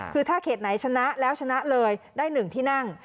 คือถ้าเขตไหนชนะแล้วชนะเลยได้๑ที่นั่ง